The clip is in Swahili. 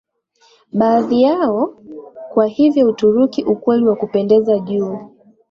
baadhi yao Kwa hivyo Uturuki ukweli wa kupendeza juu